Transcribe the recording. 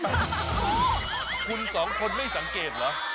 คุณสองคนไม่สังเกตเหรอ